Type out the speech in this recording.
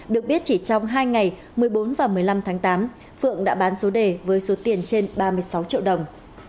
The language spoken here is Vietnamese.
được biết chỉ trong hai ngày một mươi bốn và một mươi năm tháng tám phượng đã bán số đề với số tiền trên ba mươi sáu triệu đồng